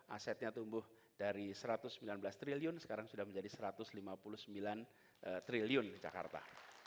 asetnya tumbuh dari satu ratus sembilan belas triliun sekarang sudah menjadi satu ratus lima puluh sembilan triliun jakarta